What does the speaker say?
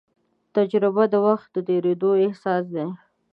تجربه د وخت د تېرېدو احساس دی.